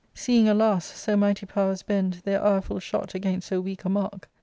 Seeing, alas I so mighty powers bend Their ireful shot against so weak a mark.